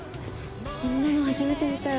こんなの初めて見たよ。